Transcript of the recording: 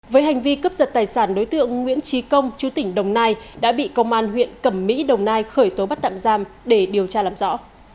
với hành vi cướp giật tài sản đối tượng nguyễn trí công chú tỉnh đồng nai đã bị công an huyện cẩm mỹ đồng nai khởi tố bắt tạm giam để điều tra làm rõ